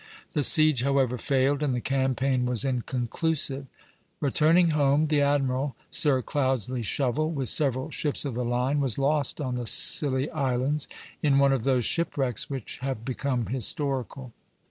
The siege, however, failed, and the campaign was inconclusive. Returning home, the admiral, Sir Cloudesley Shovel, with several ships of the line, was lost on the Scilly Islands, in one of those shipwrecks which have become historical.